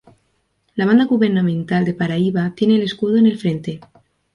La Banda gubernamental de Paraíba tiene el escudo en el frente.